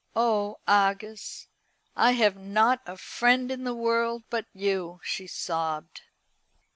"Oh, Argus, I have not a friend in the world but you!" she sobbed.